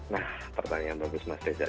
nah pertanyaan bagus mas reza